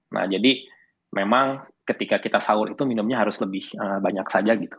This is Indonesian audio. nah jadi memang ketika kita sahur itu minumnya harus lebih banyak saja gitu